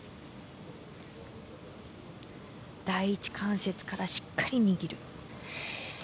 第一関節からしっかり握る。